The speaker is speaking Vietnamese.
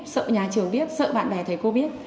sợ nhà trường biết sợ bạn bè thầy cô biết